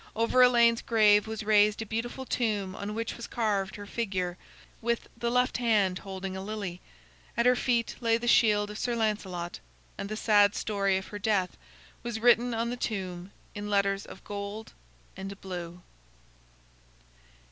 Over Elaine's grave was raised a beautiful tomb on which was carved her figure, with the left hand holding a lily; at her feet lay the shield of Sir Lancelot, and the sad story of her death was written on the tomb in letters of gold and blue.